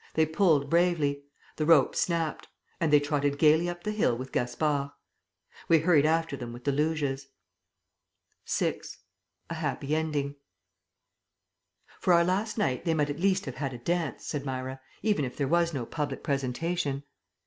They pulled bravely. The rope snapped and they trotted gaily up the hill with Gaspard. We hurried after them with the luges.... VI. A HAPPY ENDING "For our last night they might at least have had a dance," said Myra, "even if there was no public presentation."